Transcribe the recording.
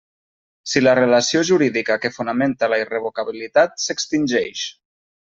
Si la relació jurídica que fonamenta la irrevocabilitat s'extingeix.